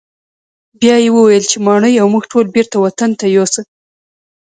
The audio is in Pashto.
بیا یې وویل چې ماڼۍ او موږ ټول بیرته وطن ته یوسه.